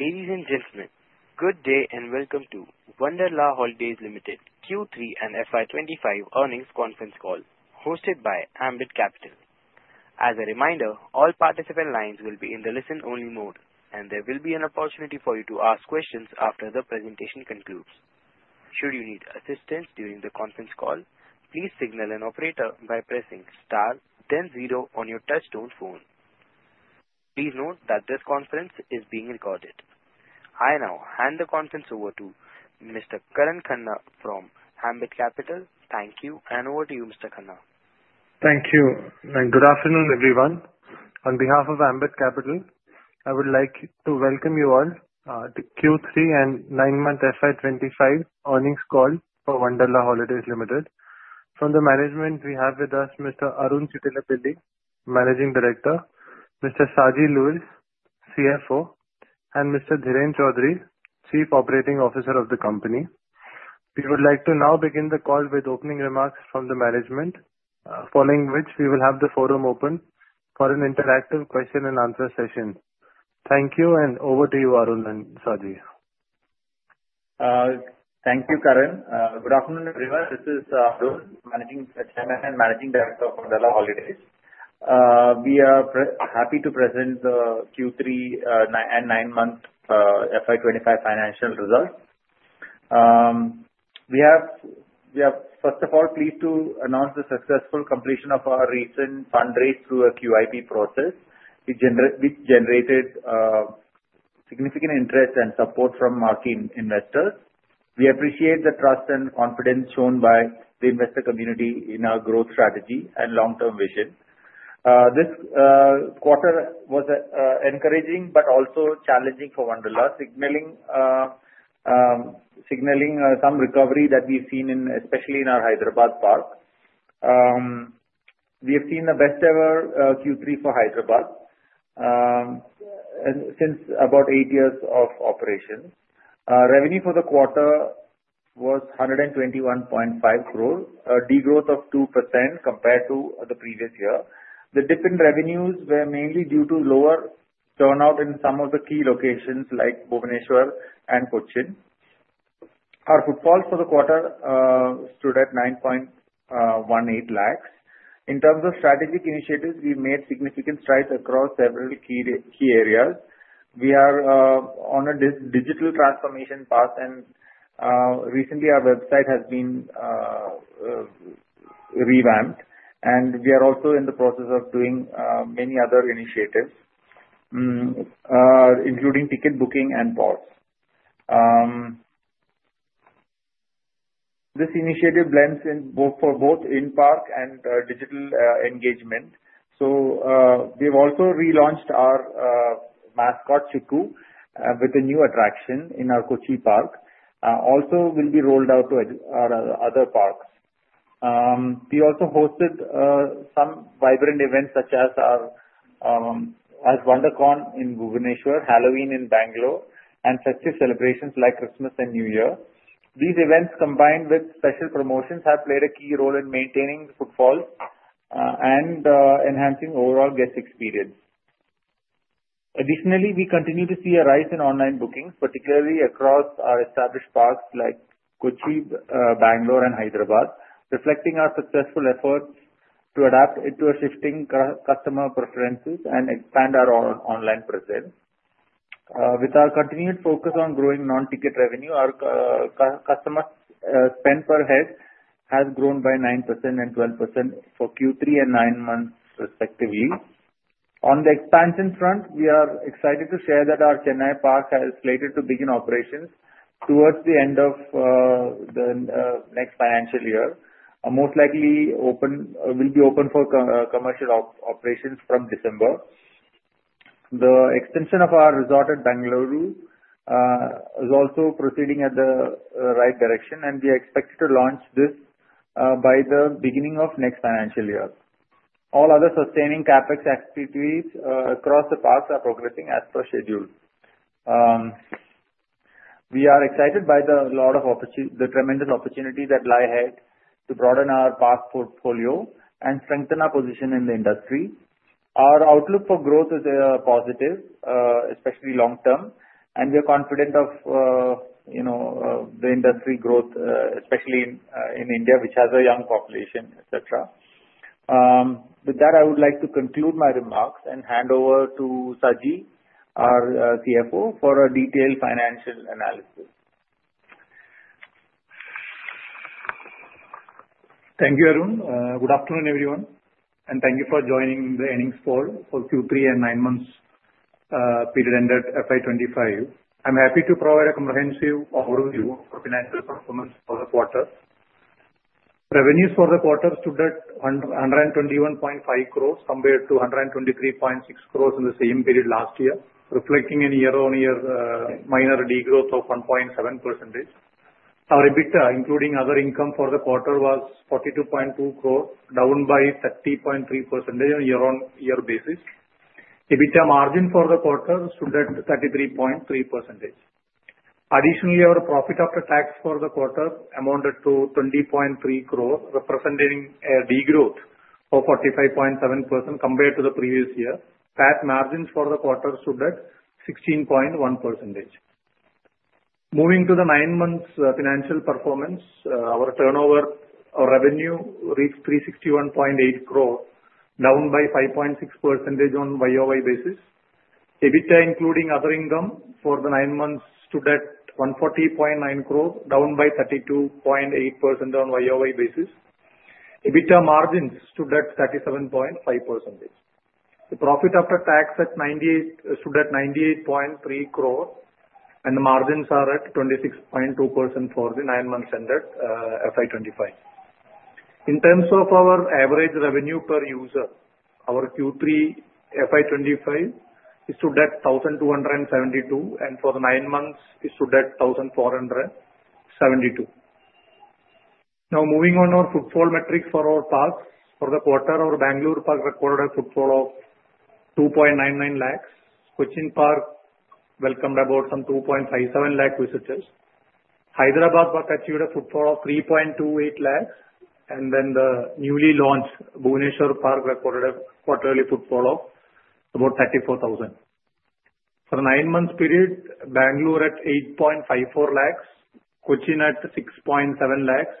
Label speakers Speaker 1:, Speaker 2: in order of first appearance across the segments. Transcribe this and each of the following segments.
Speaker 1: Ladies and gentlemen, good day and welcome to Wonderla Holidays Limited Q3 and FY25 earnings conference call, hosted by Ambit Capital. As a reminder, all participant lines will be in the listen-only mode, and there will be an opportunity for you to ask questions after the presentation concludes. Should you need assistance during the conference call, please signal an operator by pressing star, then zero on your touch-tone phone. Please note that this conference is being recorded. I now hand the conference over to Mr. Karan Khanna from Ambit Capital. Thank you, and over to you, Mr. Khanna.
Speaker 2: Thank you, and good afternoon, everyone. On behalf of Ambit Capital, I would like to welcome you all to Q3 and nine-month FY25 earnings call for Wonderla Holidays Limited. From the management, we have with us Mr. Arun Chittilappilly, Managing Director, Mr. Saji Louiz, CFO, and Mr. Dheeran Choudhary, Chief Operating Officer of the company. We would like to now begin the call with opening remarks from the management, following which we will have the forum open for an interactive question-and-answer session. Thank you, and over to you, Arun and Saji.
Speaker 3: Thank you, Karan. Good afternoon, everyone. This is Arun, Managing Chairman and Managing Director of Wonderla Holidays. We are happy to present the Q3 and nine-month FY25 financial results. We have, first of all, pleased to announce the successful completion of our recent fundraise through a QIP process, which generated significant interest and support from market investors. We appreciate the trust and confidence shown by the investor community in our growth strategy and long-term vision. This quarter was encouraging but also challenging for Wonderla, signaling some recovery that we've seen, especially in our Hyderabad Park. We have seen the best-ever Q3 for Hyderabad since about eight years of operation. Revenue for the quarter was 121.5 crore, a degrowth of 2% compared to the previous year. The dip in revenues was mainly due to lower turnout in some of the key locations like Bhubaneswar and Cochin. Our footfall for the quarter stood at 9.18 lakhs. In terms of strategic initiatives, we made significant strides across several key areas. We are on a digital transformation path, and recently, our website has been revamped, and we are also in the process of doing many other initiatives, including ticket booking and POS. This initiative blends for both in-park and digital engagement. So we've also relaunched our mascot, Chikku, with a new attraction in our Kochi Park. Also, it will be rolled out to other parks. We also hosted some vibrant events such as Wonder Carnival in Bhubaneswar, Halloween in Bangalore, and festive celebrations like Christmas and New Year. These events, combined with special promotions, have played a key role in maintaining the footfall and enhancing overall guest experience. Additionally, we continue to see a rise in online bookings, particularly across our established parks like Kochi, Bangalore, and Hyderabad, reflecting our successful efforts to adapt to shifting customer preferences and expand our online presence. With our continued focus on growing non-ticket revenue, our customer spend per head has grown by 9% and 12% for Q3 and nine months, respectively. On the expansion front, we are excited to share that our Chennai Park has slated to begin operations towards the end of the next financial year, most likely will be open for commercial operations from December. The extension of our resort at Bangalore is also proceeding in the right direction, and we expect to launch this by the beginning of next financial year. All other sustaining CAPEX activities across the parks are progressing as per schedule. We are excited by the tremendous opportunity that lies ahead to broaden our park portfolio and strengthen our position in the industry. Our outlook for growth is positive, especially long-term, and we are confident of the industry growth, especially in India, which has a young population, etc. With that, I would like to conclude my remarks and hand over to Saji, our CFO, for a detailed financial analysis.
Speaker 4: Thank you, Arun. Good afternoon, everyone, and thank you for joining the earnings call for Q3 and nine-month period ended FY25. I'm happy to provide a comprehensive overview of financial performance for the quarter. Revenues for the quarter stood at 121.5 crore compared to 123.6 crore in the same period last year, reflecting a year-on-year minor degrowth of 1.7%. Our EBITDA, including other income for the quarter, was 42.2 crore, down by 30.3% on a year-on-year basis. EBITDA margin for the quarter stood at 33.3%. Additionally, our profit after tax for the quarter amounted to 20.3 crore, representing a degrowth of 45.7% compared to the previous year. PAT margins for the quarter stood at 16.1%. Moving to the nine-month financial performance, our turnover or revenue reached 361.8 crore, down by 5.6% on a YOY basis. EBITDA, including other income for the nine months, stood at 140.9 crore, down by 32.8% on a YOY basis. EBITDA margins stood at 37.5%. The profit after tax stood at 98.3 crore, and the margins are at 26.2% for the nine months ended FY25. In terms of our average revenue per user, our Q3 FY25 stood at 1,272, and for the nine months, it stood at 1,472. Now, moving on to our footfall metrics for our parks, for the quarter, our Bangalore Park recorded a footfall of 2.99 lakhs. Kochi Park welcomed about some 2.57 lakh visitors. Hyderabad Park achieved a footfall of 3.28 lakhs, and then the newly launched Bhubaneswar Park recorded a quarterly footfall of about 34,000. For the nine-month period, Bangalore at 8.54 lakhs, Kochi at 6.7 lakhs,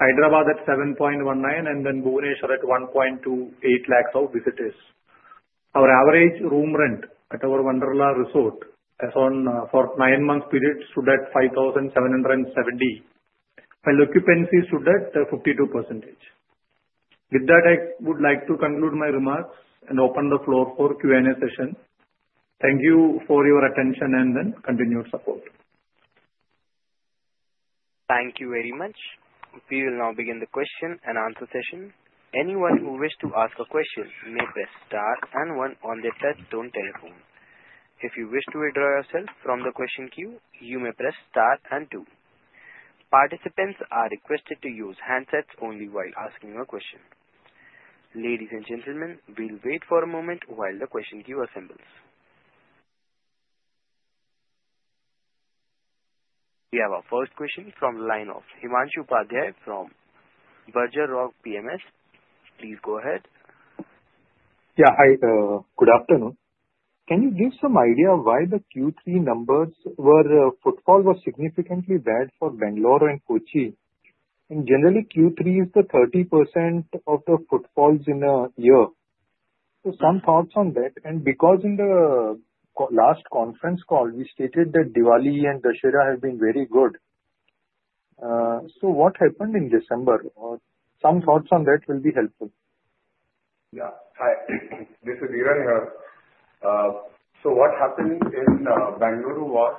Speaker 4: Hyderabad at 7.19, and then Bhubaneswar at 1.28 lakhs of visitors. Our average room rent at our Wonderla Resort for the nine-month period stood at 5,770, while occupancy stood at 52%. With that, I would like to conclude my remarks and open the floor for Q&A session. Thank you for your attention and the continued support.
Speaker 1: Thank you very much. We will now begin the question-and-answer session. Anyone who wishes to ask a question may press star and one on their touch-tone telephone. If you wish to withdraw yourself from the question queue, you may press star and two. Participants are requested to use handsets only while asking a question. Ladies and gentlemen, we'll wait for a moment while the question queue assembles. We have our first question from the line of Himanshu Upadhyay from BugleRock Capital. Please go ahead.
Speaker 5: Yeah, good afternoon. Can you give some idea why the Q3 numbers were footfall was significantly bad for Bangalore and Kochi? And generally, Q3 is the 30% of the footfalls in a year. So some thoughts on that. And because in the last conference call, we stated that Diwali and Dussehra have been very good. So what happened in December? Some thoughts on that will be helpful.
Speaker 6: Yeah, hi. This is Dheeran here. So what happened in Bangalore was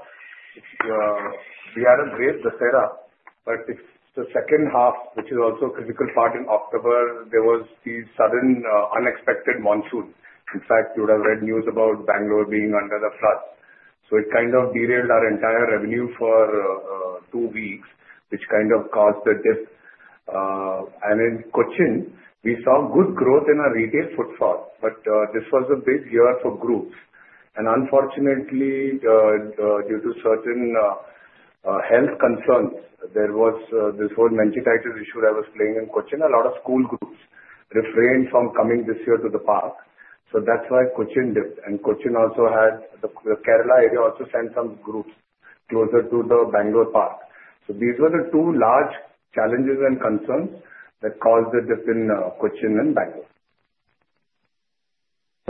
Speaker 6: we had a great Dussehra, but it's the second half, which is also a critical part in October. There was the sudden unexpected monsoon. In fact, you would have read news about Bangalore being under the flood. So it kind of derailed our entire revenue for two weeks, which kind of caused the dip. And in Kochi, we saw good growth in our retail footfall, but this was a big year for groups. And unfortunately, due to certain health concerns, there was this whole meningitis issue that was playing in Kochi. A lot of school groups refrained from coming this year to the park. So that's why Kochi dipped. And Kochi also had the Kerala area also sent some groups closer to the Bangalore Park. So these were the two large challenges and concerns that caused the dip in Kochi and Bangalore.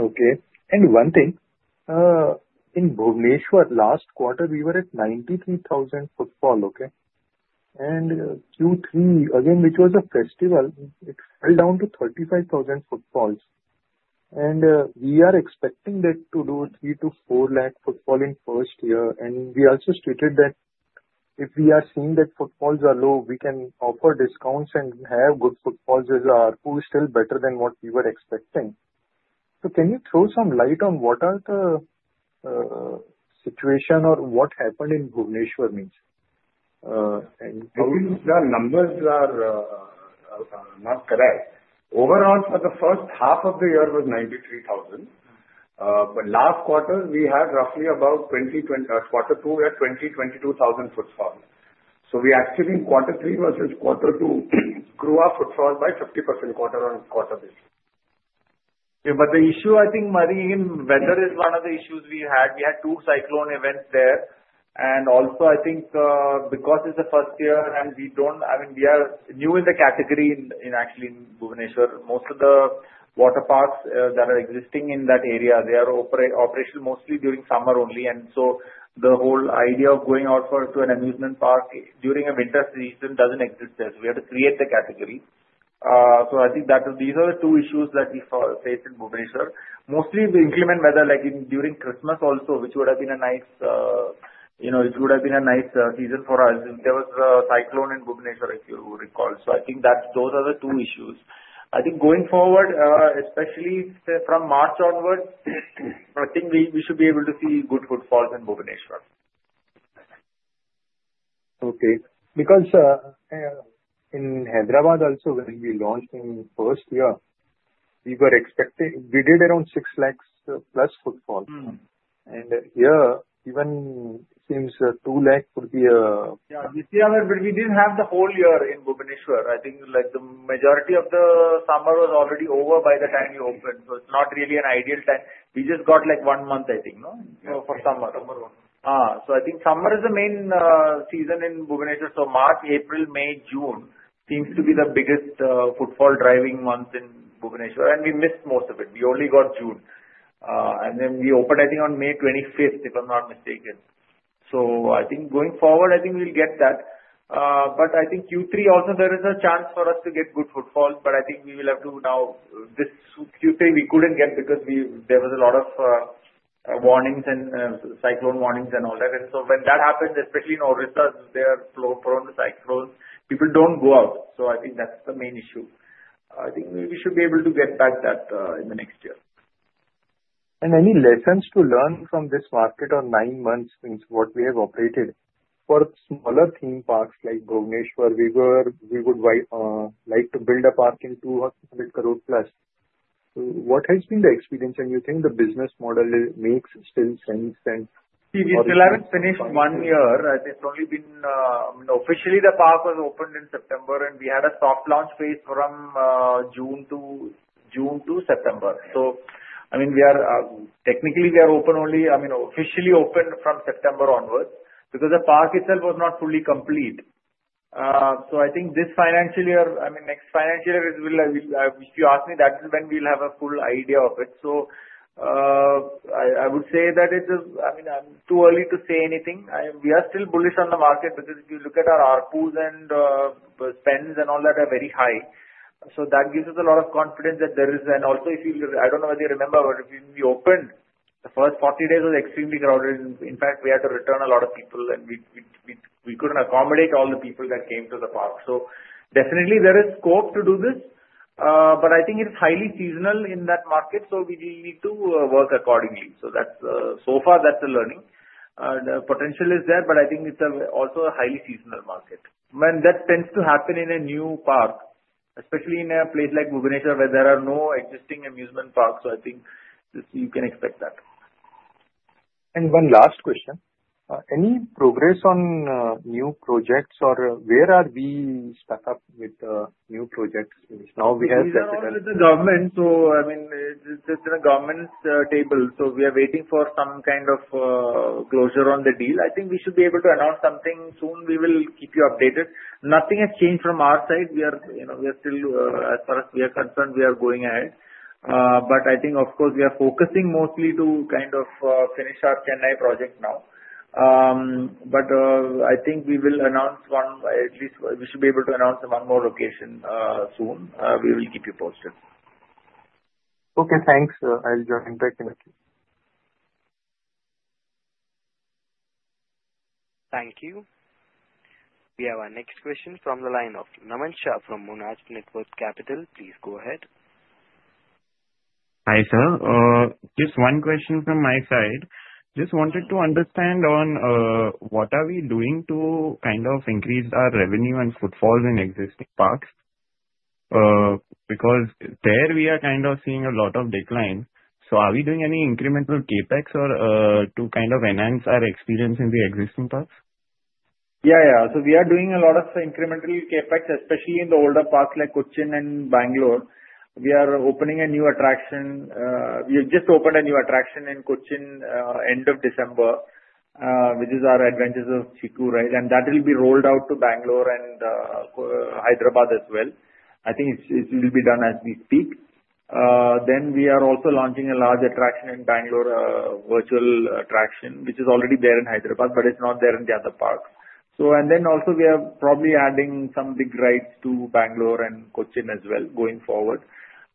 Speaker 5: Okay. And one thing, in Bhubaneswar, last quarter, we were at 93,000 footfall, okay? And Q3, again, which was a festival, it fell down to 35,000 footfalls. And we are expecting that to do 3 to 4 lakh footfall in first year. And we also stated that if we are seeing that footfalls are low, we can offer discounts and have good footfalls as our pool is still better than what we were expecting. So can you throw some light on what are the situation or what happened in Bhubaneswar, means?
Speaker 6: I think the numbers are not correct. Overall, for the first half of the year, it was 93,000. But last quarter, we had roughly about quarter two had 20-22,000 footfall. So we actually, in quarter three versus quarter two, grew our footfall by 50% quarter on quarter basis.
Speaker 3: Yeah, but the issue, I think, I mean, weather is one of the issues we had. We had two cyclone events there. And also, I think because it's the first year and we don't I mean, we are new in the category in actually Bhubaneswar. Most of the water parks that are existing in that area, they are operational mostly during summer only. And so the whole idea of going out to an amusement park during a winter season doesn't exist there. So we had to create the category. So I think these are the two issues that we faced in Bhubaneswar. Mostly, we had inclement weather like during Christmas also, which would have been a nice season for us. There was a cyclone in Bhubaneswar, if you recall. So I think those are the two issues. I think going forward, especially from March onwards, I think we should be able to see good footfalls in Bhubaneswar.
Speaker 6: Okay. Because in Hyderabad also, when we launched in first year, we were expecting we did around 6 lakhs plus footfall. And here, even it seems 2 lakhs would be a.
Speaker 3: Yeah, this year, but we didn't have the whole year in Bhubaneswar. I think the majority of the summer was already over by the time we opened. So it's not really an ideal time. We just got like one month, I think, no? For summer.
Speaker 6: Summer.
Speaker 3: So I think summer is the main season in Bhubaneswar. So March, April, May, June seems to be the biggest footfall driving months in Bhubaneswar. And we missed most of it. We only got June. And then we opened, I think, on May 25th, if I'm not mistaken. So I think going forward, I think we'll get that. But I think Q3 also, there is a chance for us to get good footfall, but I think we will have to now this Q3, we couldn't get because there was a lot of warnings and cyclone warnings and all that. And so when that happens, especially in Odisha, they are prone to cyclones. People don't go out. So I think that's the main issue. I think we should be able to get back that in the next year.
Speaker 6: Any lessons to learn from this market on nine months since what we have operated? For smaller theme parks like Bhubaneswar, we would like to build a park in 200 crore plus. So what has been the experience? And you think the business model makes still sense? See, we still haven't finished one year. It's only been officially; the park was opened in September, and we had a soft launch phase from June to September. So I mean, technically, we are open only. I mean, officially open from September onwards because the park itself was not fully complete. So I think this financial year. I mean, next financial year, if you ask me, that is when we'll have a full idea of it. So I would say that it is. I mean, I'm too early to say anything. We are still bullish on the market because if you look at our pools and spends and all that are very high. So that gives us a lot of confidence that there is. And also, if you, I don't know whether you remember, but when we opened, the first 40 days were extremely crowded.
Speaker 3: In fact, we had to return a lot of people, and we couldn't accommodate all the people that came to the park. So definitely, there is scope to do this, but I think it's highly seasonal in that market. So we need to work accordingly. So so far, that's the learning. The potential is there, but I think it's also a highly seasonal market. And that tends to happen in a new park, especially in a place like Bhubaneswar where there are no existing amusement parks. So I think you can expect that.
Speaker 6: And one last question. Any progress on new projects or where are we stuck up with new projects? Now we have capital.
Speaker 3: We are with the government. So I mean, it's in the government's table. So we are waiting for some kind of closure on the deal. I think we should be able to announce something soon. We will keep you updated. Nothing has changed from our side. We are still, as far as we are concerned, we are going ahead. But I think, of course, we are focusing mostly to kind of finish our Chennai project now. But I think we will announce one. At least we should be able to announce one more location soon. We will keep you posted.
Speaker 6: Okay. Thanks. I'll join back in a few.
Speaker 1: Thank you. We have our next question from the line of Naman Shah from Monarch Networth Capital. Please go ahead.
Speaker 7: Hi, sir. Just one question from my side. Just wanted to understand on what are we doing to kind of increase our revenue and footfalls in existing parks? Because there, we are kind of seeing a lot of decline. So are we doing any incremental CAPEX or to kind of enhance our experience in the existing parks?
Speaker 3: Yeah, yeah. So we are doing a lot of incremental CapEx, especially in the older parks like Kochi and Bangalore. We are opening a new attraction. We have just opened a new attraction in Kochi end of December, which is our Adventures of Chikku, right? And that will be rolled out to Bangalore and Hyderabad as well. I think it will be done as we speak. Then we are also launching a large attraction in Bangalore, a virtual attraction, which is already there in Hyderabad, but it's not there in the other parks. So and then also, we are probably adding some big rides to Bangalore and Kochi as well going forward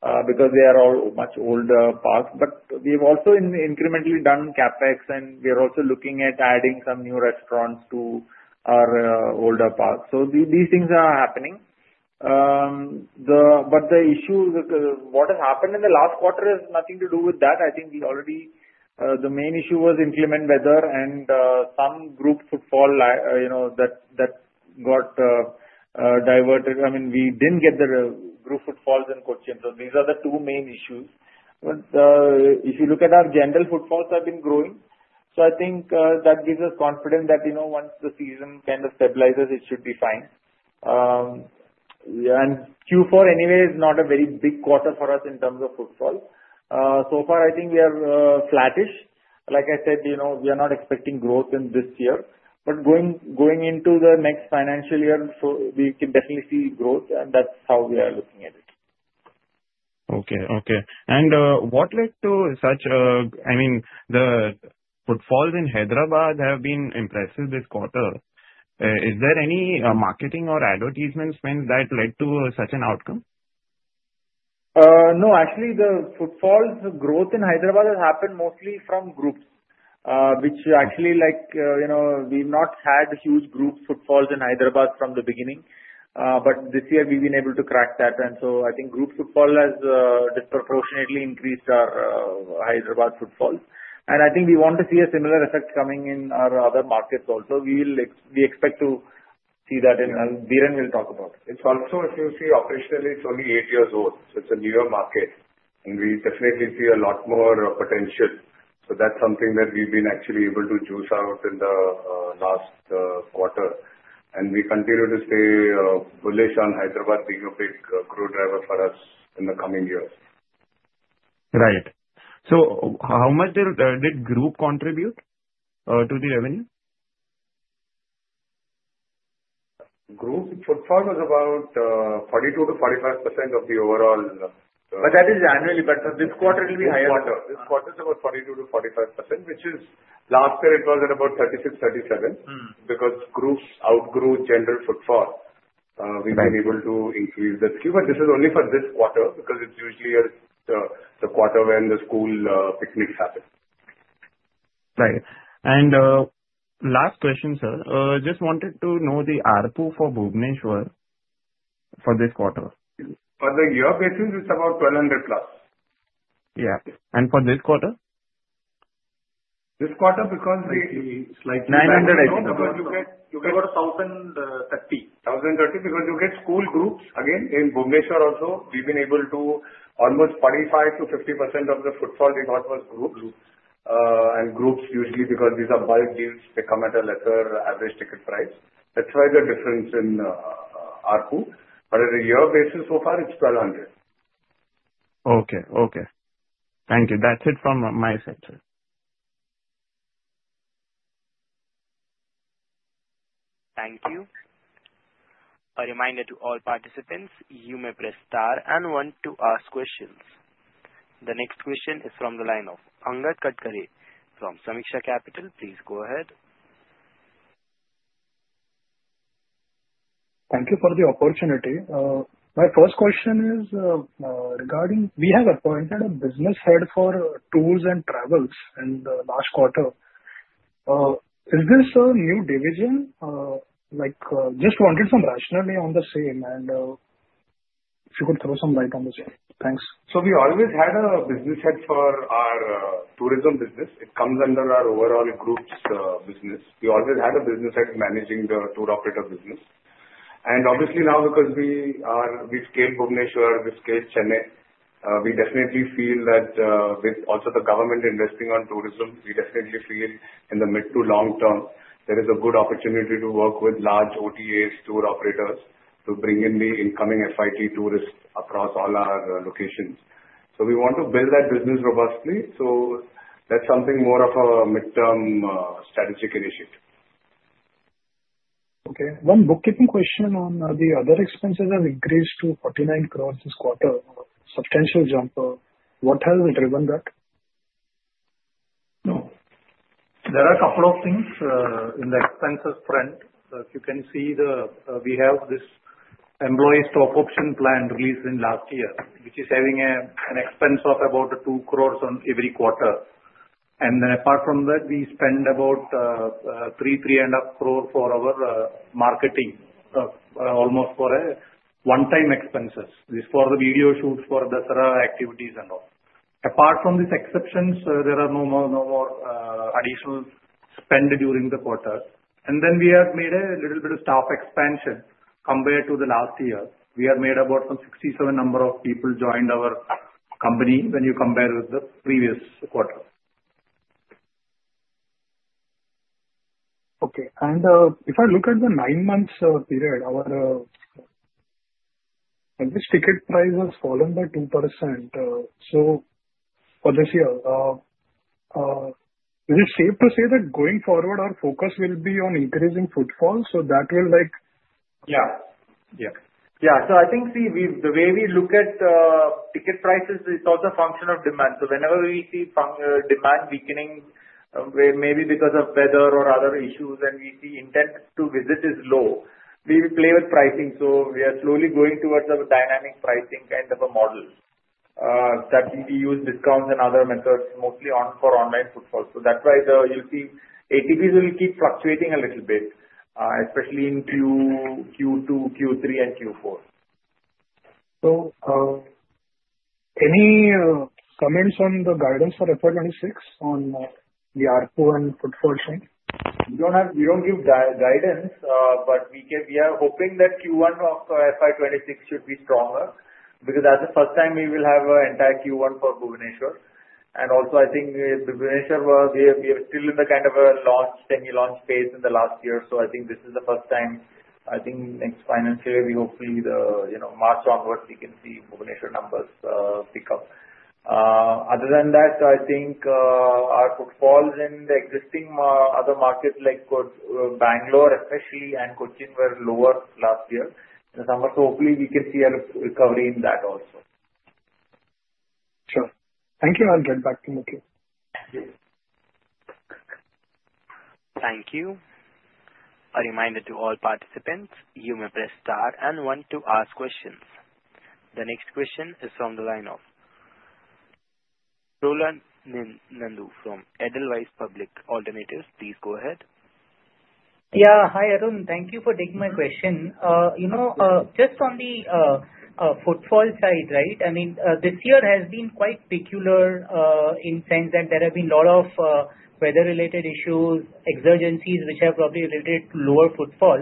Speaker 3: because they are all much older parks. But we have also incrementally done CapEx, and we are also looking at adding some new restaurants to our older parks. So these things are happening. but the issue what has happened in the last quarter has nothing to do with that. I think we already the main issue was inclement weather and some group footfall that got diverted. I mean, we didn't get the group footfalls in Kochi. So these are the two main issues. But if you look at our general footfalls, they have been growing. So I think that gives us confidence that once the season kind of stabilizes, it should be fine. And Q4 anyway is not a very big quarter for us in terms of footfall. So far, I think we are flattish. Like I said, we are not expecting growth in this year. But going into the next financial year, we can definitely see growth, and that's how we are looking at it.
Speaker 7: Okay, okay. And what led to such a, I mean, the footfalls in Hyderabad have been impressive this quarter. Is there any marketing or advertisement spend that led to such an outcome?
Speaker 3: No, actually, the footfalls, the growth in Hyderabad has happened mostly from groups, which actually we've not had huge group footfalls in Hyderabad from the beginning, but this year, we've been able to crack that, and so I think group footfall has disproportionately increased our Hyderabad footfalls, and I think we want to see a similar effect coming in our other markets also. We expect to see that, and Dheeran will talk about it.
Speaker 6: It's also, if you see operationally, it's only eight years old. So it's a newer market. And we definitely see a lot more potential. So that's something that we've been actually able to juice out in the last quarter. And we continue to stay bullish on Hyderabad being a big growth driver for us in the coming years.
Speaker 7: Right. So how much did group contribute to the revenue?
Speaker 4: Group footfall was about 42%-45% of the overall.
Speaker 3: But that is annually, but this quarter will be higher.
Speaker 6: This quarter, this quarter is about 42%-45%, which is last year it was at about 36%-37% because groups outgrew general footfall. We've been able to increase the skew. But this is only for this quarter because it's usually the quarter when the school picnics happen.
Speaker 7: Right. And last question, sir. Just wanted to know the RPU for Bhubaneswar for this quarter.
Speaker 4: For the year basis, it's about 1,200 plus.
Speaker 1: Yeah. And for this quarter?
Speaker 6: This quarter, because we slightly.
Speaker 1: 900, I think.
Speaker 6: Because you get, you can go to INR 1,030 because you get school groups. Again, in Bhubaneswar also, we've been able to almost 45%-50% of the footfall we got was groups. And groups usually, because these are bulk deals, they come at a lesser average ticket price. That's why the difference in RPU. But at a year basis so far, it's 1,200.
Speaker 7: Okay, okay. Thank you. That's it from my side, sir.
Speaker 1: Thank you. A reminder to all participants, you may press star one to ask questions. The next question is from the line of Angad Katare from Sameeksha Capital. Please go ahead.
Speaker 8: Thank you for the opportunity. My first question is regarding we have appointed a business head for tours and travels in the last quarter. Is this a new division? Just wanted some rationale on the same. And if you could throw some light on the same. Thanks.
Speaker 6: So we always had a business head for our tourism business. It comes under our overall groups business. We always had a business head managing the tour operator business. And obviously now, because we scaled Bhubaneswar, we scaled Chennai, we definitely feel that with also the government investing on tourism, we definitely feel in the mid to long term, there is a good opportunity to work with large OTAs, tour operators to bring in the incoming FIT tourists across all our locations. So we want to build that business robustly. So that's something more of a midterm strategic initiative.
Speaker 8: Okay. One bookkeeping question on the other expenses have increased to 49 crores this quarter. Substantial jump. What has driven that?
Speaker 3: No. There are a couple of things in the expenses front. You can see we have this employee stock option plan released in last year, which is having an expense of about 2 crore on every quarter. And then apart from that, we spend about 3, 3 and a half crore for our marketing, almost for one-time expenses. This is for the video shoots, for the activities and all. Apart from these exceptions, there are no more additional spend during the quarter. And then we have made a little bit of staff expansion compared to the last year. We have made about some 67 number of people joined our company when you compare with the previous quarter.
Speaker 8: Okay. And if I look at the nine months period, this ticket price has fallen by 2%. So for this year, is it safe to say that going forward, our focus will be on increasing footfall? So that will like.
Speaker 3: So I think, see, the way we look at ticket prices, it's also a function of demand. So whenever we see demand weakening, maybe because of weather or other issues, and we see intent to visit is low, we play with pricing. So we are slowly going towards a dynamic pricing kind of a model that we use discounts and other methods mostly for online footfall. So that's why you'll see ATPs will keep fluctuating a little bit, especially in Q2, Q3, and Q4.
Speaker 8: So any comments on the guidance for FY26 on the ARPU and footfall change?
Speaker 3: We don't give guidance, but we are hoping that Q1 of FY26 should be stronger because that's the first time we will have an entire Q1 for Bhubaneswar. And also, I think Bhubaneswar, we are still in the kind of a launch, semi-launch phase in the last year. So I think this is the first time, I think next financial year, we hopefully March onwards, we can see Bhubaneswar numbers pick up. Other than that, I think our footfalls in the existing other markets like Bangalore, especially, and Kochi were lower last year. So hopefully, we can see a recovery in that also.
Speaker 8: Sure. Thank you. I'll get back to you.
Speaker 3: Thank you.
Speaker 1: Thank you. A reminder to all participants, you may press star and want to ask questions. The next question is from the line of Rohan Nandu from Edelweiss Public Alternatives. Please go ahead.
Speaker 9: Yeah. Hi, Arun. Thank you for taking my question. Just on the footfall side, right, I mean, this year has been quite peculiar in sense that there have been a lot of weather-related issues, emergencies, which have probably related to lower footfall.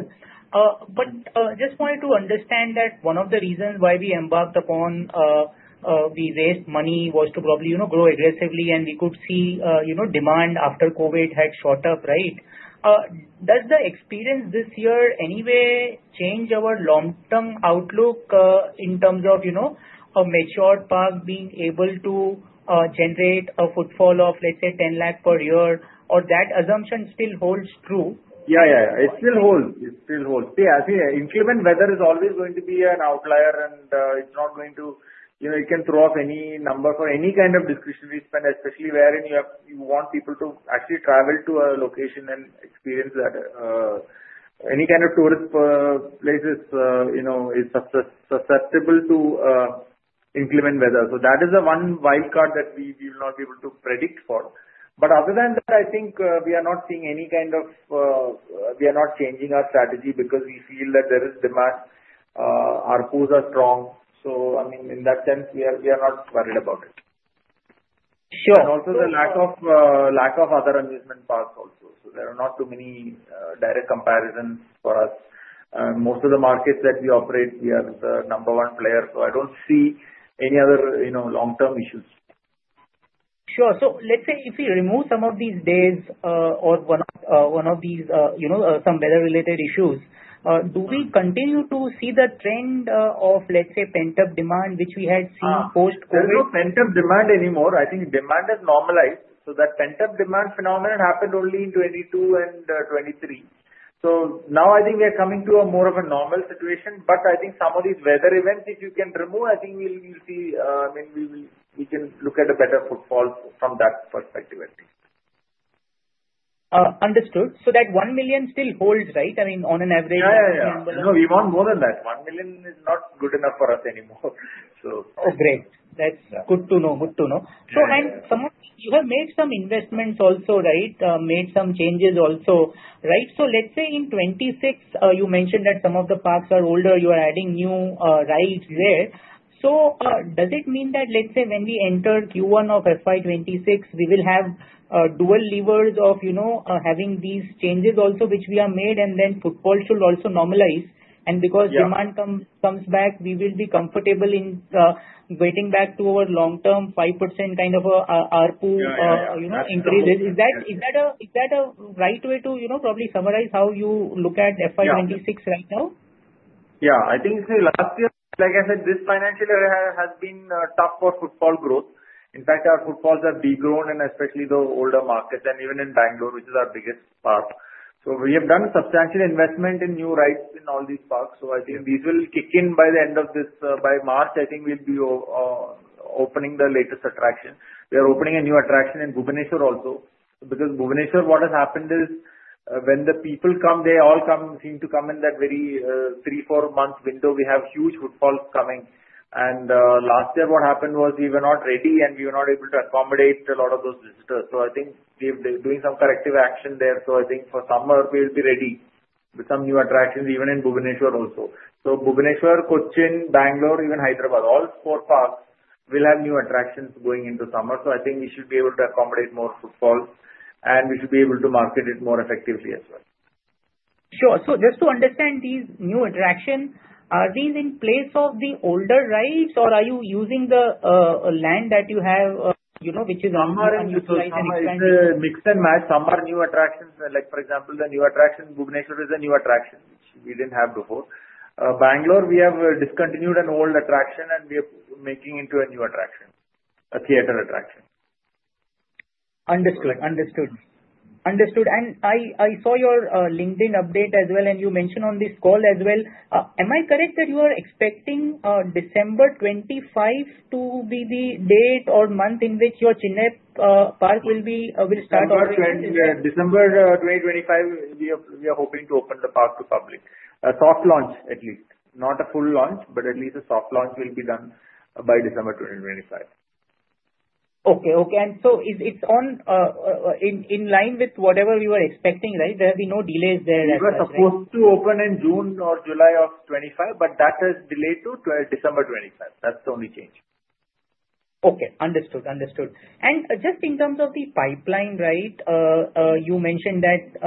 Speaker 9: But just wanted to understand that one of the reasons why we embarked upon we raised money was to probably grow aggressively, and we could see demand after COVID had shot up, right? Does the experience this year anyway change our long-term outlook in terms of a mature park being able to generate a footfall of, let's say, 10 lakh per year? Or that assumption still holds true?
Speaker 3: Yeah, yeah, yeah. It still holds. It still holds. See, I think inclement weather is always going to be an outlier, and it's not going to, it can throw off any number for any kind of discretionary spend, especially wherein you want people to actually travel to a location and experience that. Any kind of tourist places is susceptible to inclement weather. So that is the one wild card that we will not be able to predict for. But other than that, I think we are not seeing any kind of, we are not changing our strategy because we feel that there is demand. ARPUs are strong. So I mean, in that sense, we are not worried about it. And also the lack of other amusement parks also. So there are not too many direct comparisons for us. Most of the markets that we operate, we are the number one player. So I don't see any other long-term issues.
Speaker 9: Sure. So let's say if we remove some of these days or one of these some weather-related issues, do we continue to see the trend of, let's say, pent-up demand, which we had seen post-COVID?
Speaker 3: There is no pent-up demand anymore. I think demand has normalized. So that pent-up demand phenomenon happened only in 2022 and 2023. So now I think we are coming to a more of a normal situation. But I think some of these weather events, if you can remove, I think we'll see I mean, we can look at a better footfall from that perspective, I think.
Speaker 9: Understood. So that 1 million still holds, right? I mean, on an average.
Speaker 3: No, we want more than that. One million is not good enough for us anymore, so.
Speaker 9: Oh, great. That's good to know. Good to know. So and you have made some investments also, right? Made some changes also, right? So let's say in 2026, you mentioned that some of the parks are older. You are adding new rides there. So does it mean that, let's say, when we enter Q1 of FY26, we will have dual levers of having these changes also, which we have made, and then footfall should also normalize? And because demand comes back, we will be comfortable in getting back to our long-term 5% kind of RPU increase. Is that a right way to probably summarize how you look at FY26 right now?
Speaker 3: Yeah. I think last year, like I said, this financial year has been tough for footfall growth. In fact, our footfalls have degrown in especially the older markets and even in Bangalore, which is our biggest park. So we have done substantial investment in new rides in all these parks. So I think these will kick in by the end of this by March. I think we'll be opening the latest attraction. We are opening a new attraction in Bhubaneswar also. Because Bhubaneswar, what has happened is when the people come, they all seem to come in that very three, four-month window. We have huge footfalls coming. And last year, what happened was we were not ready, and we were not able to accommodate a lot of those visitors. So I think we're doing some corrective action there. I think for summer, we'll be ready with some new attractions, even in Bhubaneswar also. So Bhubaneswar, Kochi, Bangalore, even Hyderabad, all four parks will have new attractions going into summer. So I think we should be able to accommodate more footfalls, and we should be able to market it more effectively as well.
Speaker 9: Sure. So just to understand these new attractions, are these in place of the older rides, or are you using the land that you have, which is ongoing to try and expand?
Speaker 3: It's a mix and match. Some are new attractions. For example, the new attraction Bhubaneswar is a new attraction, which we didn't have before. Bangalore, we have discontinued an old attraction, and we are making into a new attraction, a theater attraction.
Speaker 9: Understood. I saw your LinkedIn update as well, and you mentioned on this call as well. Am I correct that you are expecting December 25 to be the date or month in which your Chennai Park will start opening?
Speaker 3: December 2025, we are hoping to open the park to public. A soft launch, at least. Not a full launch, but at least a soft launch will be done by December 2025.
Speaker 9: Okay, okay. And so it's in line with whatever we were expecting, right? There will be no delays there at that point?
Speaker 3: We were supposed to open in June or July of 2025, but that has delayed to December 2025. That's the only change.
Speaker 9: Okay. Understood. Understood. And just in terms of the pipeline, right, you mentioned that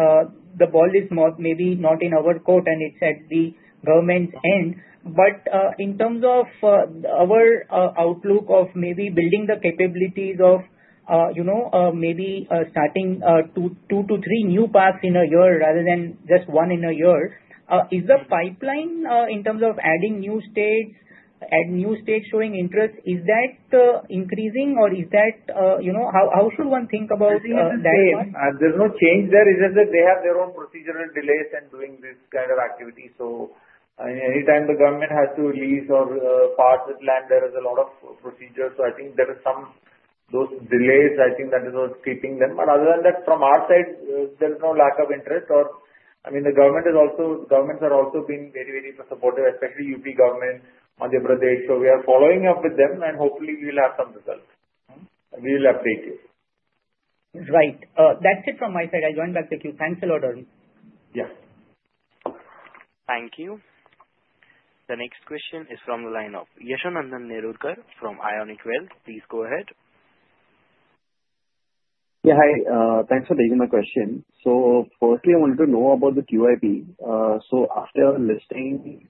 Speaker 9: the ball is maybe not in our court, and it's at the government's hand. But in terms of our outlook of maybe building the capabilities of maybe starting two to three new parks in a year rather than just one in a year, is the pipeline in terms of adding new states showing interest increasing, or is that how should one think about that one?
Speaker 3: There is no change there. It is that they have their own procedural delays in doing this kind of activity. So anytime the government has to release or parts of land, there is a lot of procedures. So I think there are some of those delays. I think that is what's keeping them. But other than that, from our side, there is no lack of interest. I mean, the governments are also being very, very supportive, especially UP government, Madhya Pradesh. So we are following up with them, and hopefully, we will have some results. We will update you.
Speaker 9: Right. That's it from my side. I'll join back with you. Thanks a lot, Arun.
Speaker 3: Yeah.
Speaker 1: Thank you. The next question is from the line of Yashwant Nerurkar from Ionic Wealth. Please go ahead.
Speaker 10: Yeah. Hi. Thanks for taking my question. So firstly, I wanted to know about the QIP. So after listing,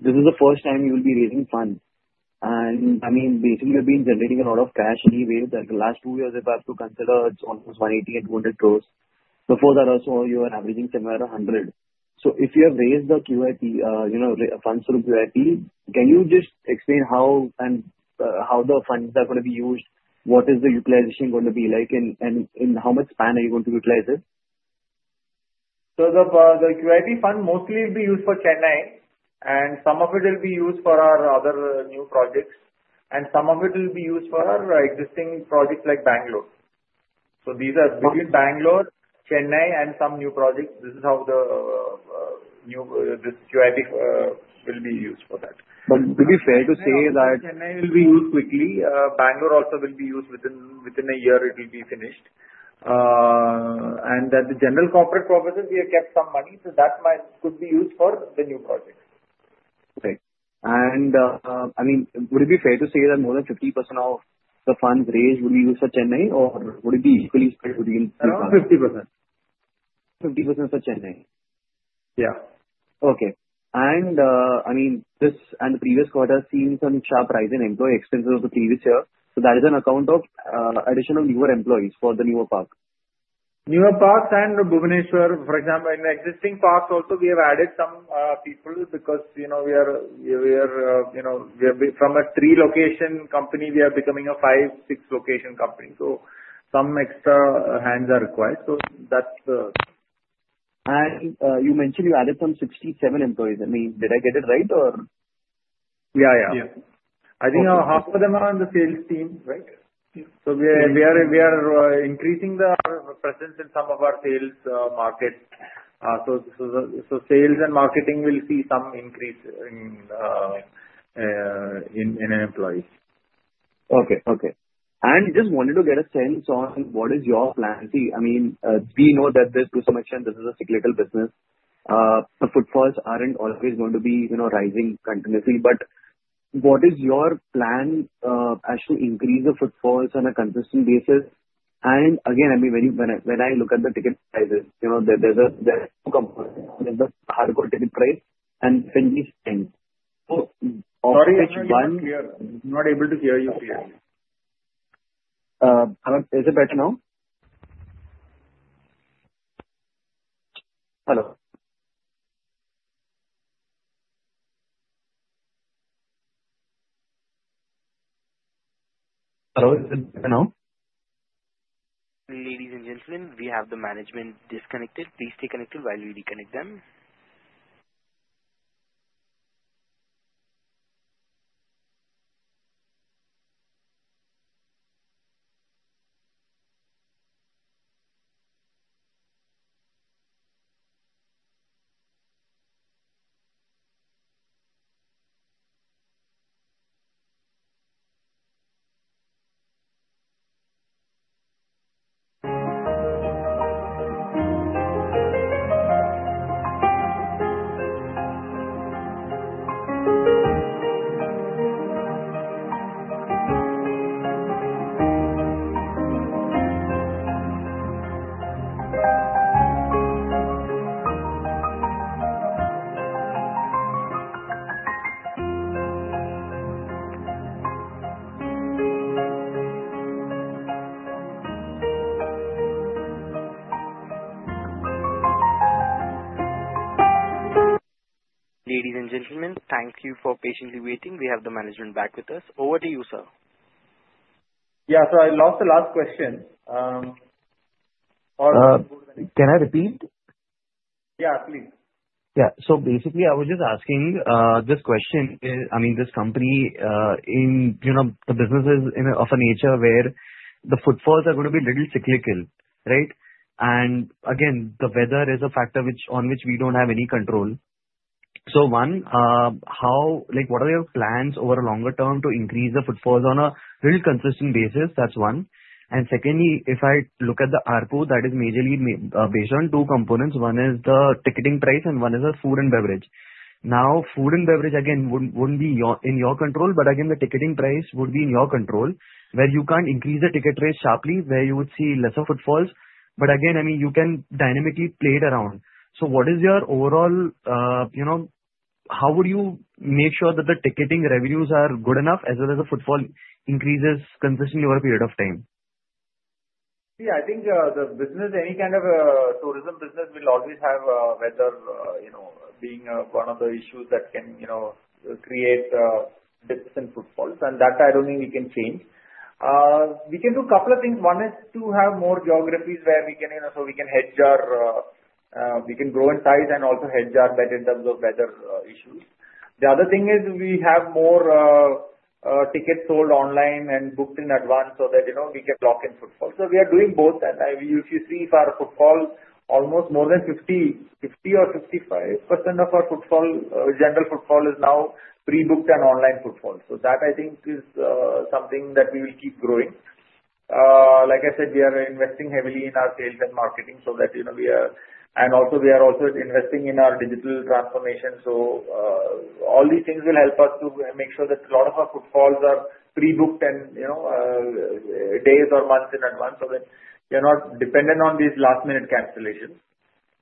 Speaker 10: this is the first time you will be raising funds. And I mean, basically, you have been generating a lot of cash anyway. The last two years, if I have to consider, it's almost 180 and 200 crores. Before that also, you were averaging somewhere around 100. So if you have raised the QIP, funds through QIP, can you just explain how the funds are going to be used? What is the utilization going to be like, and in how much span are you going to utilize it?
Speaker 3: So the QIP fund mostly will be used for Chennai, and some of it will be used for our other new projects. And some of it will be used for our existing projects like Bangalore. So between Bangalore, Chennai, and some new projects, this is how the QIP will be used for that.
Speaker 10: But would it be fair to say that?
Speaker 3: Chennai will be used quickly. Bangalore also will be used within a year. It will be finished. And then the general corporate purposes, we have kept some money, so that could be used for the new projects.
Speaker 10: Great. And I mean, would it be fair to say that more than 50% of the funds raised will be used for Chennai, or would it be equally split?
Speaker 3: No, 50%.
Speaker 10: 50% for Chennai.
Speaker 3: Yeah.
Speaker 10: Okay, and I mean, this and the previous quarter has seen some sharp rise in employee expenses of the previous year. So that is an account of addition of newer employees for the newer park.
Speaker 3: Newer parks and Bhubaneswar, for example, in the existing parks also, we have added some people because we are from a three-location company, we are becoming a five, six-location company. So some extra hands are required. So that's the.
Speaker 10: You mentioned you added some 67 employees. I mean, did I get it right, or?
Speaker 3: Yeah, yeah.
Speaker 10: Yeah.
Speaker 3: I think half of them are on the sales team, right? So we are increasing the presence in some of our sales markets. So sales and marketing will see some increase in employees.
Speaker 10: Okay, okay. And just wanted to get a sense on what is your plan. See, I mean, we know that there's too much and this is a cyclical business. The footfalls aren't always going to be rising continuously. But what is your plan as to increase the footfalls on a consistent basis? And again, I mean, when I look at the ticket prices, there's no comparison. There's the hardcore ticket price and 20 cents. So of which one.
Speaker 3: Sorry, I'm not clear. Not able to hear you clearly.
Speaker 10: Is it better now? Hello. Hello? Now?
Speaker 1: Ladies and gentlemen, we have the management disconnected. Please stay connected while we reconnect them. Ladies and gentlemen, thank you for patiently waiting. We have the management back with us. Over to you, sir.
Speaker 3: Yeah. So I lost the last question. Or can I repeat?
Speaker 10: Yeah, please. Yeah. So basically, I was just asking this question. I mean, this company, the business is of a nature where the footfalls are going to be a little cyclical, right? And again, the weather is a factor on which we don't have any control. So one, what are your plans over a longer term to increase the footfalls on a really consistent basis? That's one. And secondly, if I look at the ARPU, that is majorly based on two components. One is the ticketing price, and one is the food and beverage. Now, food and beverage, again, wouldn't be in your control, but again, the ticketing price would be in your control, where you can't increase the ticket rate sharply, where you would see lesser footfalls. But again, I mean, you can dynamically play it around. So what is your overall how would you make sure that the ticketing revenues are good enough as well as the footfall increases consistently over a period of time?
Speaker 3: Yeah. I think the business, any kind of tourism business, will always have weather being one of the issues that can create difference in footfalls. And that, I don't think we can change. We can do a couple of things. One is to have more geographies where we can so we can hedge our we can grow in size and also hedge our bet in terms of weather issues. The other thing is we have more tickets sold online and booked in advance so that we can lock in footfall. So we are doing both. And if you see if our footfall, almost more than 50% or 55% of our general footfall is now pre-booked and online footfall. So that, I think, is something that we will keep growing. Like I said, we are investing heavily in our sales and marketing so that we are, and also investing in our digital transformation. So all these things will help us to make sure that a lot of our footfalls are pre-booked and days or months in advance so that we are not dependent on these last-minute cancellations.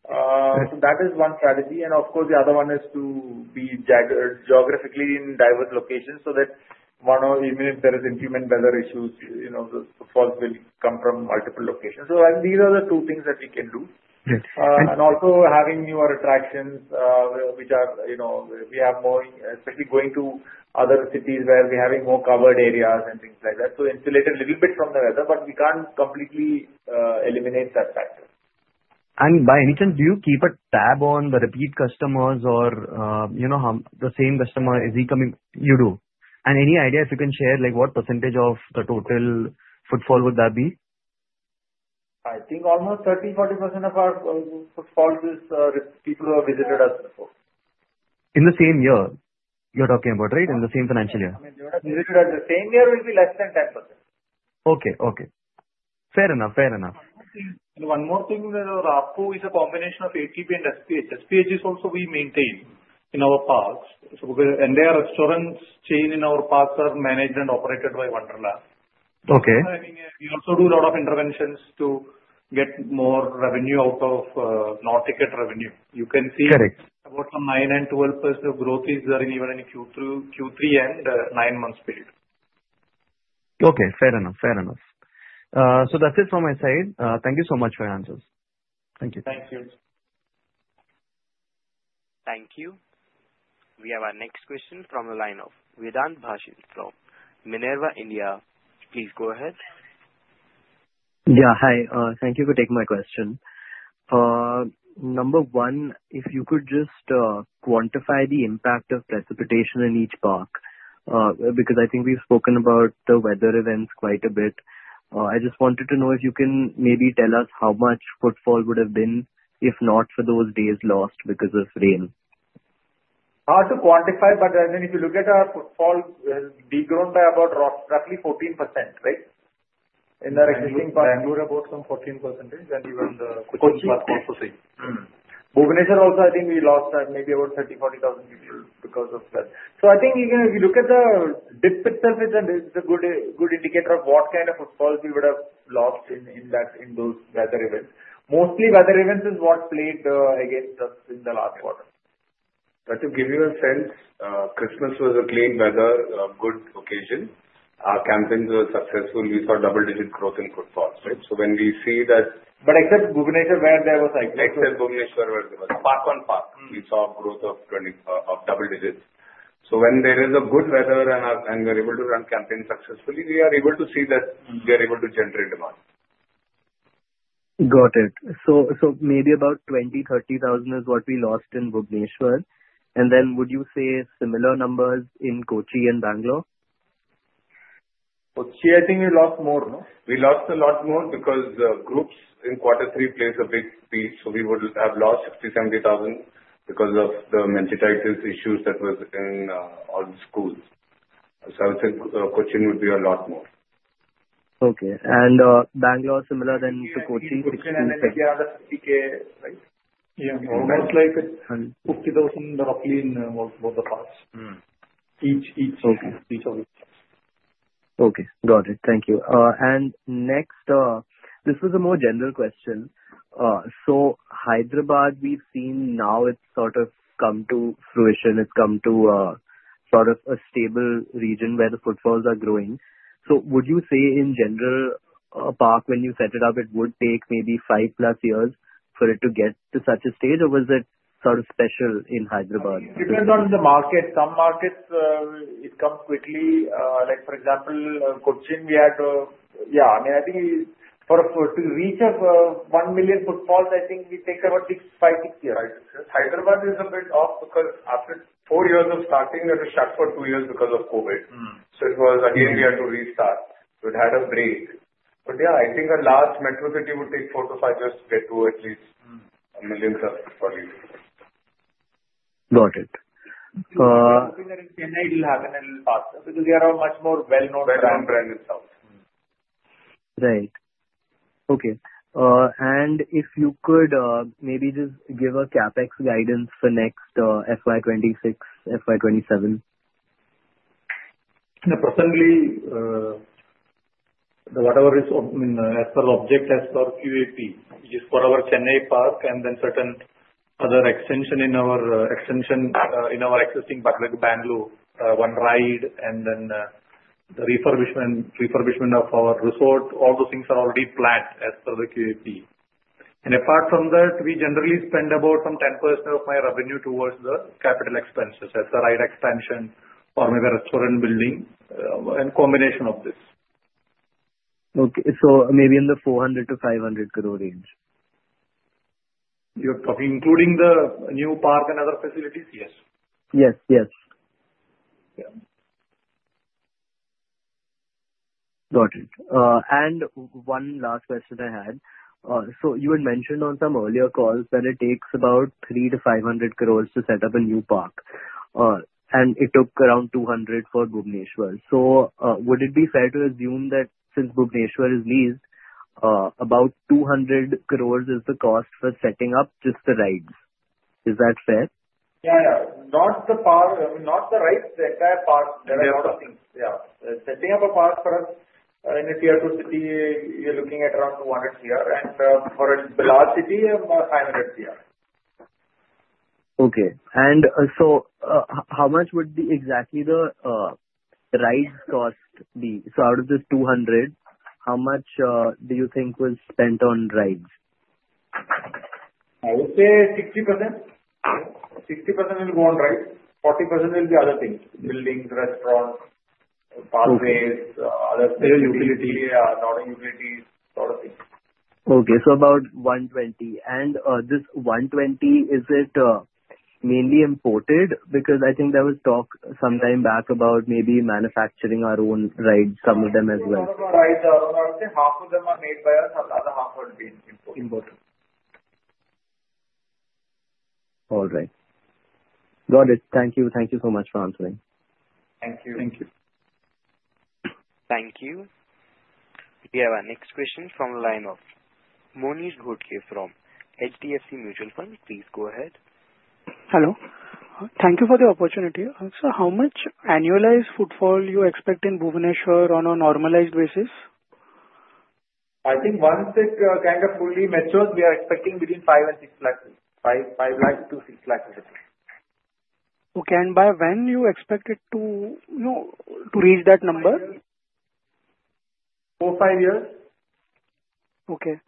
Speaker 3: So that is one strategy. And of course, the other one is to be geographically in diverse locations so that even if there is inclement weather issues, the footfalls will come from multiple locations. So I think these are the two things that we can do. And also having newer attractions, which we are especially going to other cities where we are having more covered areas and things like that. So insulated a little bit from the weather, but we can't completely eliminate that factor.
Speaker 10: And by any chance, do you keep a tab on the repeat customers or the same customer? You do. And any idea if you can share what percentage of the total footfall would that be?
Speaker 3: I think almost 30%-40% of our footfalls is people who have visited us before.
Speaker 10: In the same year you're talking about, right? In the same financial year?
Speaker 3: I mean, those that visited us the same year will be less than 10%.
Speaker 10: Okay, okay. Fair enough. Fair enough.
Speaker 3: One more thing, ARPU is a combination of ATP and SPH. SPH is also we maintain in our parks. So the entire restaurant chain in our parks are managed and operated by Wonderla. I mean, we also do a lot of interventions to get more revenue out of non-ticket revenue. You can see about 9% and 12% of growth is there in even in Q3 and 9-month period.
Speaker 10: Okay. Fair enough. Fair enough. So that's it from my side. Thank you so much for your answers. Thank you.
Speaker 3: Thank you.
Speaker 1: Thank you. We have our next question from the line of Vedant Bhansali from Minerva India. Please go ahead.
Speaker 11: Yeah. Hi. Thank you for taking my question. Number one, if you could just quantify the impact of precipitation in each park, because I think we've spoken about the weather events quite a bit. I just wanted to know if you can maybe tell us how much footfall would have been if not for those days lost because of rain.
Speaker 3: Hard to quantify, but I mean, if you look at our footfall, it has degrown by about roughly 14%, right? In our existing parks.
Speaker 11: In Bangalore, about some 14%, and even the.
Speaker 3: Bhubaneswar also, I think we lost maybe about 30,000-40,000 people because of that. So I think if you look at the dip itself, it's a good indicator of what kind of footfalls we would have lost in those weather events. Mostly weather events is what played against us in the last quarter. But to give you a sense, Christmas was a clean weather, good occasion. Our campaigns were successful. We saw double-digit growth in footfalls, right? So when we see that. But except Bhubaneswar, where there was. Except Bhubaneswar, where there was park on park, we saw growth of double digits. So when there is good weather and we are able to run campaigns successfully, we are able to see that we are able to generate demand.
Speaker 11: Got it. So maybe about 20,000-30,000 is what we lost in Bhubaneswar, and then would you say similar numbers in Kochi and Bangalore?
Speaker 3: Kochi, I think we lost more, no? We lost a lot more because groups in quarter three played a big piece. So we would have lost 60,000-70,000 because of the meningitis issues that was in all the schools. So I would say Kochi would be a lot more.
Speaker 11: Okay, and Bangalore, similar then to Kochi, 60, 70?
Speaker 3: Yeah. I think they are the 50K, right?
Speaker 10: Yeah.
Speaker 3: Almost like 50,000 roughly in both the parks. Each of the parks.
Speaker 11: Okay. Got it. Thank you. And next, this was a more general question. So Hyderabad, we've seen now it's sort of come to fruition. It's come to sort of a stable region where the footfalls are growing. So would you say in general, a park, when you set it up, it would take maybe five plus years for it to get to such a stage, or was it sort of special in Hyderabad?
Speaker 3: It depends on the market. Some markets, it comes quickly. For example, Kochi, we had yeah. I mean, I think for us to reach one million footfalls, I think we take about five, six years.
Speaker 10: Right.
Speaker 3: Hyderabad is a bit off because after four years of starting, we had to shut for two years because of COVID. So it was, again, we had to restart. So it had a break. But yeah, I think a large metro city would take four to five years to get to at least a million plus footfall.
Speaker 11: Got it.
Speaker 3: I think that in Chennai, it will happen a little faster because they are a much more well-known brand.
Speaker 10: Well-known brand in South.
Speaker 11: Right. Okay. And if you could maybe just give a CAPEX guidance for next FY26, FY27?
Speaker 3: Personally, whatever is as per object as per QIP, which is for our Chennai park and then certain other extension in our existing Bangalore, Hyderabad, and then the refurbishment of our resort, all those things are already planned as per the QIP. Apart from that, we generally spend about 10% of my revenue towards the CAPEX as the ride expansion or maybe restaurant building and combination of this.
Speaker 11: Okay, so maybe in the 400-500 crore range.
Speaker 3: You're talking including the new park and other facilities? Yes.
Speaker 11: Yes, yes.
Speaker 3: Yeah.
Speaker 11: Got it. And one last question I had. So you had mentioned on some earlier calls that it takes about 300-500 crores to set up a new park. And it took around 200 for Bhubaneswar. So would it be fair to assume that since Bhubaneswar is leased, about 200 crores is the cost for setting up just the rides? Is that fair?
Speaker 3: Yeah, yeah. Not the park. I mean, not the rides. The entire park. There are a lot of things. Yeah. Setting up a park for us in a tier two city, you're looking at around 200 CR, and for a large city, 500 CR.
Speaker 11: Okay. And so, how much would exactly the rides cost be? So, out of this 200, how much do you think was spent on rides?
Speaker 3: I would say 60%. 60% will go on rides. 40% will be other things: buildings, restaurants, pathways, other things, utilities, sort of things.
Speaker 11: Okay. So about 120. And this 120, is it mainly imported? Because I think there was talk sometime back about maybe manufacturing our own rides, some of them as well.
Speaker 3: Some of our rides are our own. I would say half of them are made by us. The other half would be imported.
Speaker 11: Imported. All right. Got it. Thank you. Thank you so much for answering.
Speaker 3: Thank you.
Speaker 6: Thank you.
Speaker 1: Thank you. We have our next question from the line of Monish Ghodke from HDFC Mutual Fund. Please go ahead.
Speaker 12: Hello. Thank you for the opportunity. So how much annualized footfall do you expect in Bhubaneswar on a normalized basis?
Speaker 3: I think once it kind of fully matures, we are expecting between 5 lakhs and 6 lakhs, 5 lakhs to 6 lakhs.
Speaker 12: Okay, and by when do you expect it to reach that number?
Speaker 3: Four, five years.
Speaker 12: Okay.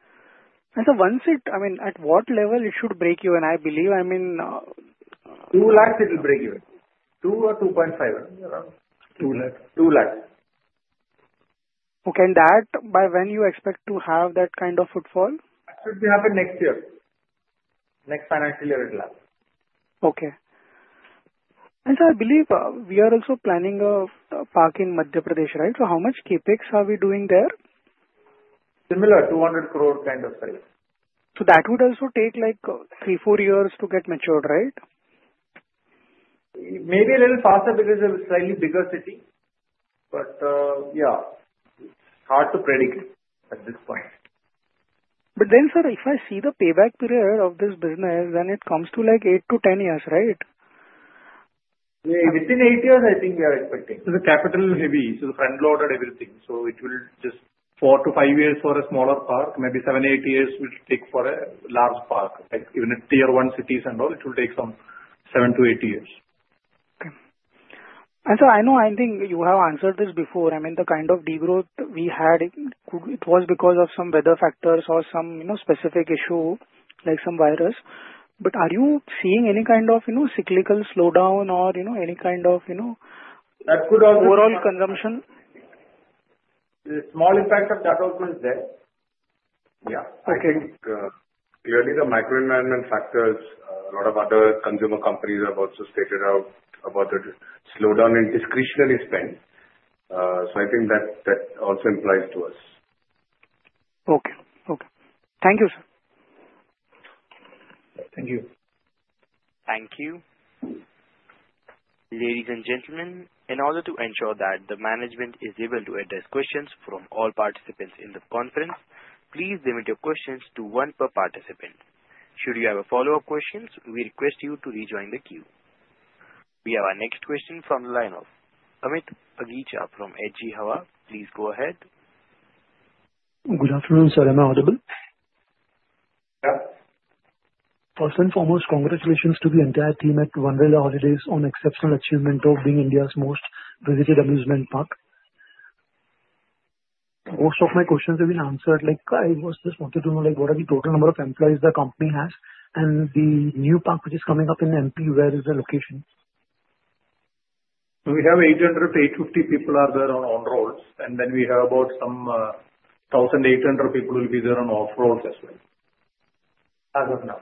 Speaker 12: And so, once it, I mean, at what level it should break even? I believe, I mean.
Speaker 3: 2 lakhs it will break even. 2 or 2.5.
Speaker 10: 2 lakhs.
Speaker 3: 2 lakhs.
Speaker 12: Okay. And by when do you expect to have that kind of footfall?
Speaker 3: That should happen next year. Next financial year it will happen.
Speaker 12: Okay. And so I believe we are also planning a park in Madhya Pradesh, right? So how much CAPEX are we doing there?
Speaker 3: Similar, 200 crore kind of size.
Speaker 12: So that would also take like three, four years to get matured, right?
Speaker 3: Maybe a little faster because it's a slightly bigger city. But yeah, it's hard to predict at this point.
Speaker 12: But then, sir, if I see the payback period of this business, then it comes to like 8 to 10 years, right?
Speaker 3: Within eight years, I think we are expecting.
Speaker 10: The capital will be heavy. So the front load and everything. So it will just four to five years for a smaller park. Maybe seven, eight years will take for a large park. Even tier one cities and all, it will take some seven to eight years.
Speaker 12: Okay, and so I know I think you have answered this before. I mean, the kind of degrowth we had, it was because of some weather factors or some specific issue like some virus. But are you seeing any kind of cyclical slowdown or any kind of overall consumption?
Speaker 3: Small impact of that also is there. Yeah.
Speaker 6: I think clearly the macro-environment factors, a lot of other consumer companies have also spoken about the slowdown in discretionary spend, so I think that also applies to us.
Speaker 12: Okay. Okay. Thank you, sir.
Speaker 6: Thank you.
Speaker 1: Thank you. Ladies and gentlemen, in order to ensure that the management is able to address questions from all participants in the conference, please limit your questions to one per participant. Should you have a follow-up question, we request you to rejoin the queue. We have our next question from the line of Amit Agicha from Edelweiss. Please go ahead.
Speaker 13: Good afternoon, sir. Am I audible?
Speaker 10: Yeah.
Speaker 13: First and foremost, congratulations to the entire team at Wonderla Holidays on exceptional achievement of being India's most visited amusement park. Most of my questions have been answered. I was just wanted to know what are the total number of employees the company has? And the new park which is coming up in MP, where is the location?
Speaker 10: We have 800 to 850 people there on-rolls. And then we have about some 1,800 people there on off-rolls as well. As of now.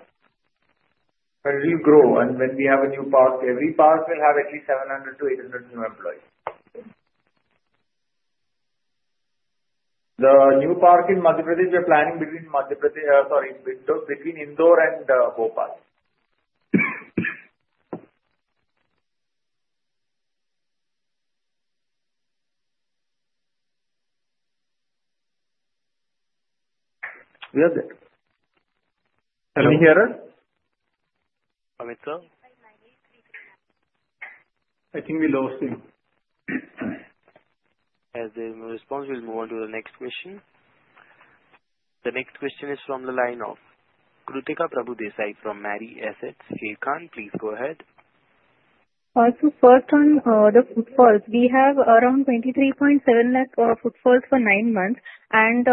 Speaker 10: And we'll grow. And when we have a new park, every park will have at least 700 to 800 new employees. The new park in Madhya Pradesh, we are planning between Indore and Bhopal. We are there. Can you hear us?
Speaker 1: Amit sir?
Speaker 10: I think we lost him.
Speaker 1: As a response, we'll move on to the next question. The next question is from the line of Kruttika Prabhudesai from Mirae Asset. Hey Karan, please go ahead.
Speaker 14: So first on the footfalls, we have around 23.7 lakh footfalls for nine months. And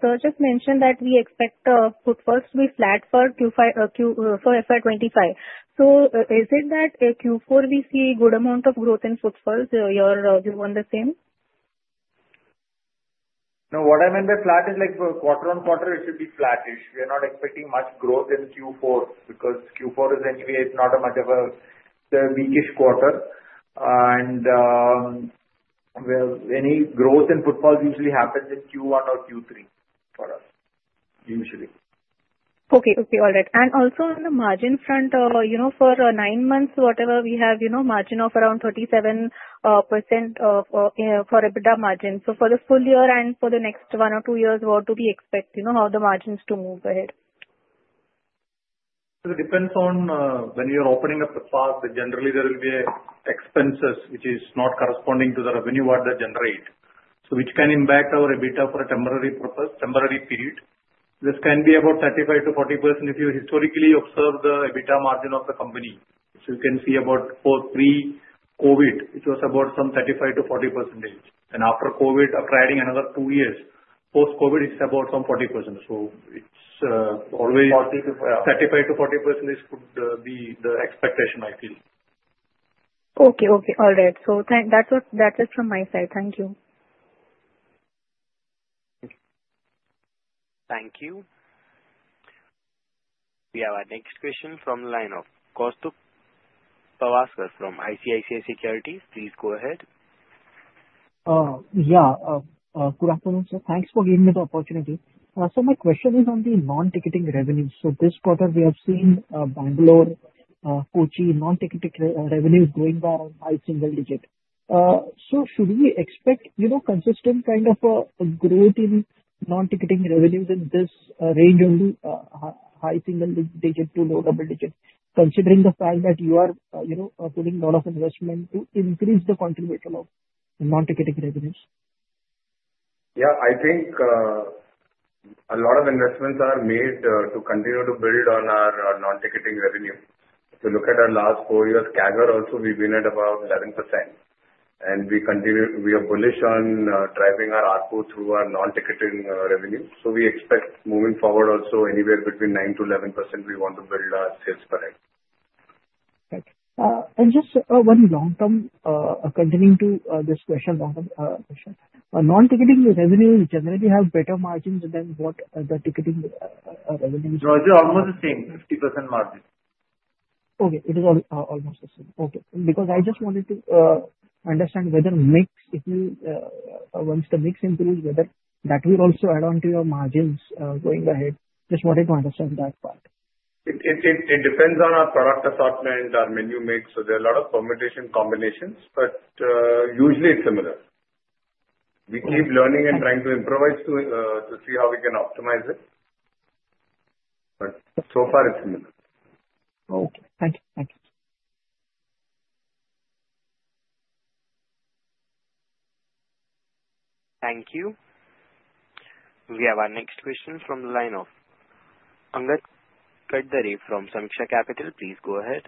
Speaker 14: sir just mentioned that we expect footfalls to be flat for FY25. So is it that Q4 we see a good amount of growth in footfalls? You're doing the same?
Speaker 3: No, what I meant by flat is quarter on quarter, it should be flattish. We are not expecting much growth in Q4 because Q4 is anyway, it's not much of a weakish quarter, and any growth in footfalls usually happens in Q1 or Q3 for us, usually.
Speaker 14: Also on the margin front, for nine months, whatever we have, margin of around 37% for EBITDA margin. So for the full year and for the next one or two years, what do we expect? How are the margins to move ahead?
Speaker 3: So it depends on when you're opening up the park, but generally, there will be expenses which is not corresponding to the revenue that they generate. So which can impact our EBITDA for a temporary period. This can be about 35%-40% if you historically observe the EBITDA margin of the company. So you can see about pre-COVID, it was about some 35%-40%. And after COVID, after adding another two years, post-COVID, it's about some 40%. So it's always 35%-40% could be the expectation, I feel.
Speaker 14: Okay. Okay. All right. So that's it from my side. Thank you.
Speaker 1: Thank you. We have our next question from the line of Kaustubh Pawaskar from ICICI Securities. Please go ahead.
Speaker 15: Yeah. Good afternoon, sir. Thanks for giving me the opportunity. So my question is on the non-ticketing revenues. So this quarter, we have seen Bangalore, Kochi, non-ticketing revenues going by single digit. So should we expect consistent kind of growth in non-ticketing revenues in this range of high single digit to low double digit, considering the fact that you are putting a lot of investment to increase the quantum of non-ticketing revenues?
Speaker 3: Yeah. I think a lot of investments are made to continue to build on our non-ticket revenue. If you look at our last four years, CAGR, also we've been at about 11%. We are bullish on driving our ARPU through our non-ticket revenue. So we expect moving forward also anywhere between 9%-11%, we want to build our sales per acre.
Speaker 15: Just one long-term continuing to this question, long-term question. Non-ticketing revenues generally have better margins than what the ticketing revenues?
Speaker 3: It's almost the same, 50% margin.
Speaker 15: Okay. It is almost the same. Okay. Because I just wanted to understand whether mix once the mix improves, whether that will also add on to your margins going ahead. Just wanted to understand that part.
Speaker 3: It depends on our product assortment, our menu mix. So there are a lot of permutation combinations, but usually it's similar. We keep learning and trying to improvise to see how we can optimize it. But so far, it's similar.
Speaker 15: Okay. Thank you. Thank you.
Speaker 1: Thank you. We have our next question from the line of Angad Katare from Samiksha Capital. Please go ahead.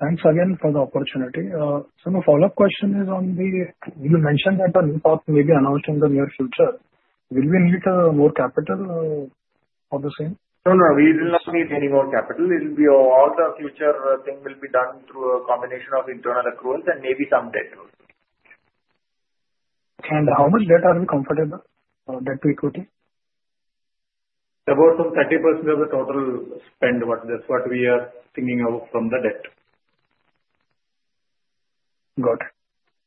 Speaker 8: Thanks again for the opportunity. So my follow-up question is on the, you mentioned that the new park may be announced in the near future. Will we need more capital for the same?
Speaker 3: No, no. We will not need any more capital. All the future thing will be done through a combination of internal accruals and maybe some debt also.
Speaker 8: How much debt are we comfortable debt to equity?
Speaker 3: About some 30% of the total spend, but that's what we are thinking of from the debt.
Speaker 8: Got it.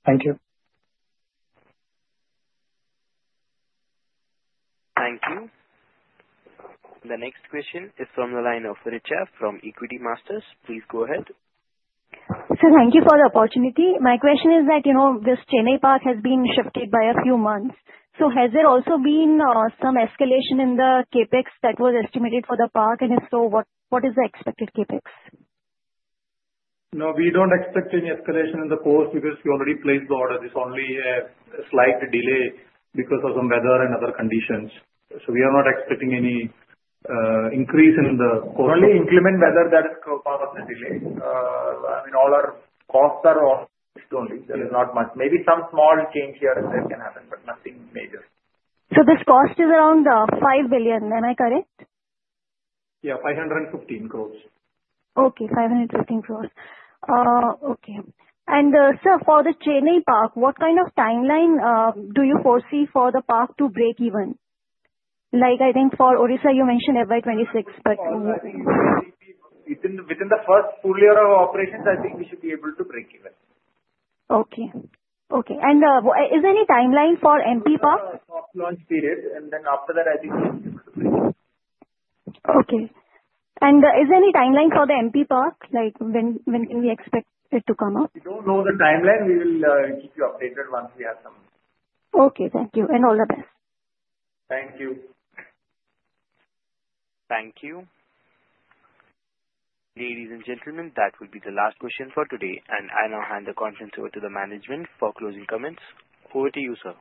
Speaker 8: Thank you.
Speaker 1: Thank you. The next question is from the line of Richa from Equitymaster. Please go ahead.
Speaker 16: Sir, thank you for the opportunity. My question is that this Chennai Park has been shifted by a few months. So has there also been some escalation in the CAPEX that was estimated for the park? And if so, what is the expected CAPEX?
Speaker 3: No, we don't expect any escalation in the cost because we already placed the order. There's only a slight delay because of some weather and other conditions. So we are not expecting any increase in the cost. Only inclement weather that is causing the delay. I mean, all our costs are off-peak only. There is not much. Maybe some small change here and there can happen, but nothing major.
Speaker 16: So this cost is around 5 billion. Am I correct?
Speaker 3: Yeah, 515 crores.
Speaker 16: Okay. 515 crores. Okay. And sir, for the Chennai Park, what kind of timeline do you foresee for the park to break even? I think for Orissa, you mentioned FY26, but.
Speaker 3: I think within the first full year of operations, I think we should be able to break even.
Speaker 16: Okay. Okay. And is there any timeline for MP Park?
Speaker 3: It's a soft launch period, and then after that, I think we should be able to break even.
Speaker 16: Okay, and is there any timeline for the MP Park? When can we expect it to come out?
Speaker 3: We don't know the timeline. We will keep you updated once we have some.
Speaker 16: Okay. Thank you. And all the best.
Speaker 3: Thank you.
Speaker 1: Thank you. Ladies and gentlemen, that will be the last question for today. And I now hand the conference over to the management for closing comments. Over to you, sir.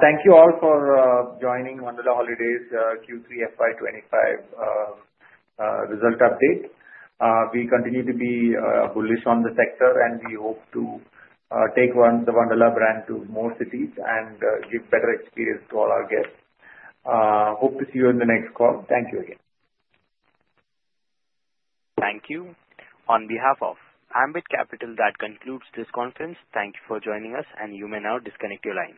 Speaker 3: Thank you all for joining Wonderla Holidays Q3 FY25 result update. We continue to be bullish on the sector, and we hope to take the Wonderla brand to more cities and give better experience to all our guests. Hope to see you in the next call. Thank you again.
Speaker 1: Thank you. On behalf of Ambit Capital, that concludes this conference. Thank you for joining us, and you may now disconnect your line.